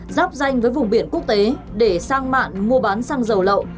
dắp danh với vùng biển quốc tế để sang mạng mua bán sang dầu lậu